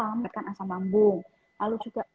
memberikan asam lambung lalu juga